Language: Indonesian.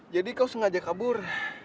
jadi kau sengaja kabur